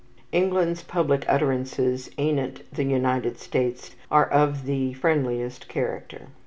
England's public utterances anent the United States are of the friendliest character.